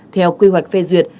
theo quy hoạch phê duyệt